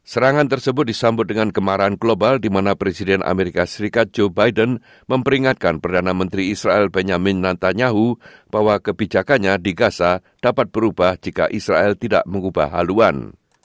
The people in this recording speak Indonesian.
serangan tersebut disambut dengan kemarahan global di mana presiden amerika serikat joe biden memperingatkan perdana menteri israel benjamin netanyahu bahwa kebijakannya digasa dapat berubah jika israel tidak mengubah haluan